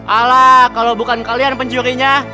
ala kalau bukan kalian pencurinya